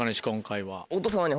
今回は。